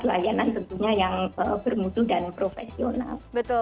layanan tentunya yang bermutu dan profesional